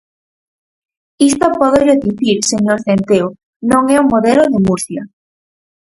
Isto pódollo dicir, señor Centeo, non é o modelo de Murcia.